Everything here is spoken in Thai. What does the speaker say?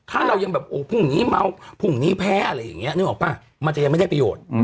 ถ้าเรายังแบบโอ้พรุ่งนี้เมาพรุ่งนี้แพ้อะไรอย่างนี้นึกออกป่ะมันจะยังไม่ได้ประโยชน์